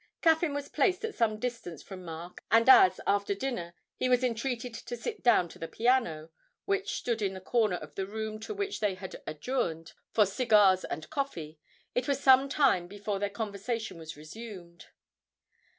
Caffyn was placed at some distance from Mark, and as, after dinner, he was entreated to sit down to the piano, which stood in a corner of the room to which they had adjourned for cigars and coffee, it was some time before their conversation was resumed.